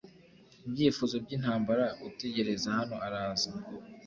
Ibyifuzo byintambara gutegereza hano araza